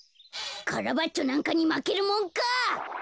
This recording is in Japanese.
カラバッチョなんかにまけるもんか！